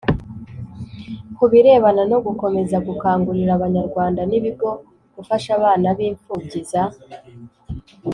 ku birebana no gukomeza gukangurira abanyarwanda n ibigo gufasha abana b imfubyi za